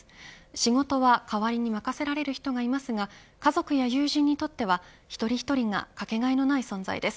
仕事は、代わりに任せられる人がいますが家族や友人にとっては一人一人がかけがえのない存在です。